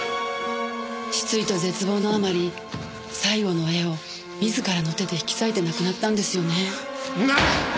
失意と絶望のあまり最後の絵を自らの手で引き裂いて亡くなったんですよね。